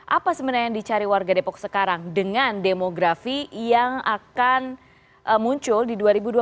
apa sebenarnya yang dicari warga depok sekarang dengan demografi yang akan muncul di dua ribu dua puluh